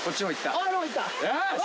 よし！